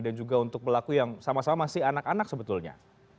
dan juga untuk pelaku yang sama sama masih anak anak sebetulnya